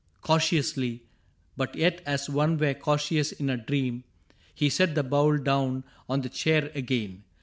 — Cau tiously, But yet as one were cautious in a dream. He set the bowl down on the chair again.